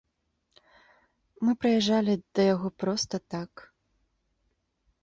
Мы прыязджалі да яго проста так.